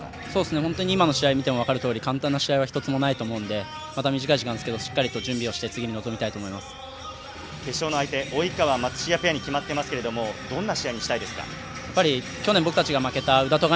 本当に今の試合を見ても分かるとおり簡単な試合というのは１つもないと思うので短い時間でしっかりと準備をして決勝の相手、及川、松島ペアに決まっていますがどんな試合にしたいですか？